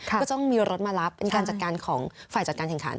ก็ต้องมีรถมารับเป็นการจัดการของฝ่ายจัดการแข่งขัน